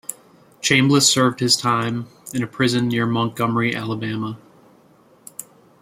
Chambliss served his time in a prison near Montgomery, Alabama.